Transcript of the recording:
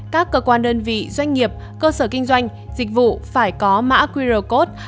các cơ quan đơn vị doanh nghiệp cơ sở kinh doanh dịch vụ phải có mã qr code